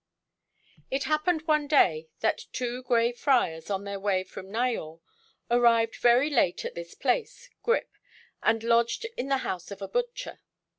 It happened one day that two Grey Friars, on their way from Nyort, arrived very late at this place, Grip, and lodged in the house of a butcher.